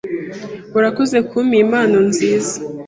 Urakoze kuma iyi mpano nziza